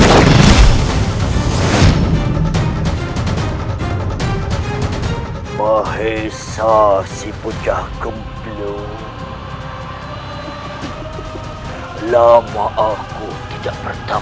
apa yang sedang kau pikirkan